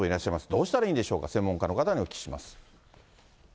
どうしたらいいんでしょうか、専門家の方にお聞きします。